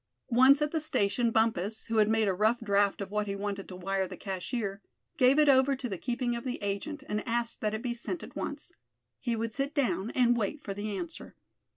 Once at the station Bumpus, who had made a rough draft of what he wanted to wire the cashier, gave it over to the keeping of the agent, and asked that it be sent at once. He would sit down and wait for the answer.